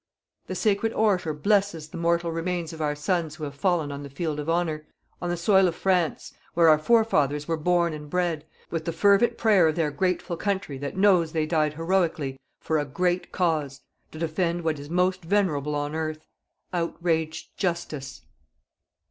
The sacred orator blesses the mortal remains of our sons who have fallen on the field of honour, on the soil of France, where our forefathers were born and bred, with the fervent prayer of their grateful country that knows they died heroically "FOR A GREAT CAUSE" TO DEFEND WHAT IS MOST VENERABLE ON EARTH: "OUTRAGED JUSTICE."